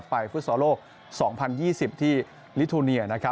ฟุตซอลโลก๒๐๒๐ที่ลิทูเนีย